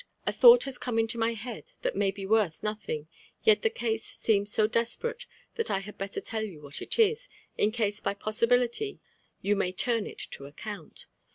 a thought has come into my head that may be worth nothing ; yet the case seems so desperate, that I had better tell you what it is, in case by possibility you may turn it to account.